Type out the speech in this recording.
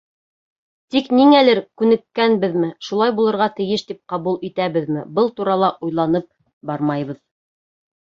Тик ниңәлер, күнеккәнбеҙме, шулай булырға тейеш тип ҡабул итәбеҙме, был турала уйланып бармайбыҙ.